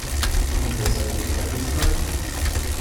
Und weshalb im Zweifelsfall?